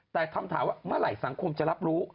แต่คำถามว่าเมื่อไหร่สังคมจะรับรู้